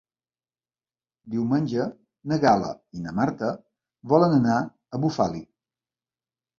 Diumenge na Gal·la i na Marta volen anar a Bufali.